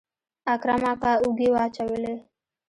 اکرم اکا اوږې واچولې.